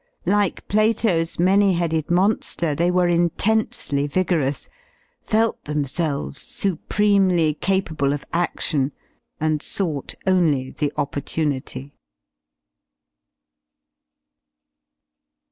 Like Plato's many headed monger, they were intensely vigorous, felt themselves supremely capable of adlion and sought only the opportunity.